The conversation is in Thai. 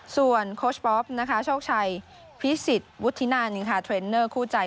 ส่วนโค้ชป๊อปนะคะโชคชัยพิสิทธิวุฒินันเทรนเนอร์คู่ใจ